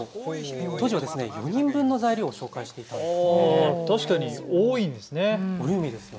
当時は４人分の材料を紹介していたんです。